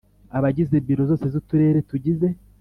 Abagize Biro zose z Uturere tugize